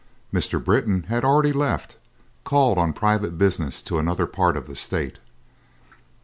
Mr. Britton had already left, called on private business to another part of the State.